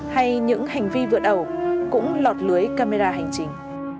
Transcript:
hay những hành vi vượt ẩu cũng lọt lưới camera hành trình